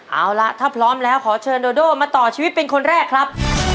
เอาล่ะถ้าพร้อมแล้วขอเชิญโดโดมาต่อชีวิตเป็นคนแรกครับ